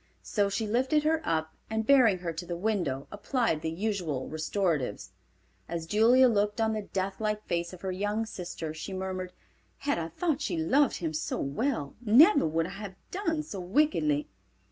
So she lifted her up, and bearing her to the window applied the usual restoratives. As Julia looked on the death like face of her young sister she murmured, "Had I thought she loved him so well, never would I have done so wickedly."